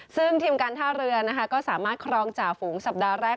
ซึ่งทีมการท่าเรือนะคะก็สามารถครองจ่าฝูงสัปดาห์แรก